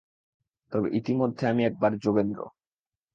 তবে ইতিমধ্যে আমি একবার- যোগেন্দ্র।